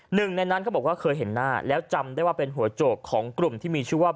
หนึ่งในนั้นเขาบอกว่าเคยเห็นหน้าแล้วจำได้ว่าเป็นหัวโจกของกลุ่มที่มีชื่อว่า